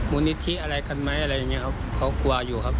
มูลนิธิอะไรกันไหมอะไรอย่างเงี้ครับเขากลัวอยู่ครับ